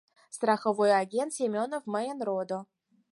Страховой агент Семёнов мыйын родо.